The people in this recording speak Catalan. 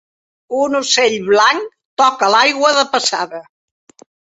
Un ocell blanc toca l'aigua de passada